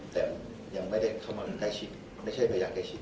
แต่ยังไม่ได้เข้ามาใกล้ชิดมันไม่ใช่พยายามใกล้ชิด